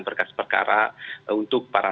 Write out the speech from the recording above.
perkara perkara untuk para